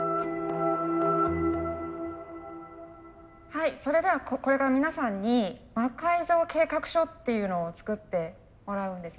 はいそれではこれから皆さんに魔改造計画書っていうのを作ってもらうんですね。